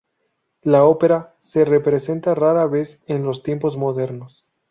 La ópera se representa rara vez en los tiempos modernos.